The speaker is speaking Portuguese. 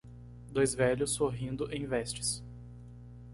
Dois velhos sorrindo em vestes.